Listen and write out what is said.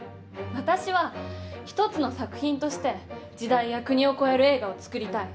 私は一つの作品として時代や国を超える映画を作りたい。